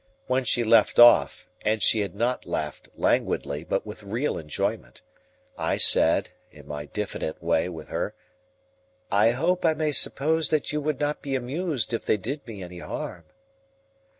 When she left off—and she had not laughed languidly, but with real enjoyment—I said, in my diffident way with her,— "I hope I may suppose that you would not be amused if they did me any harm."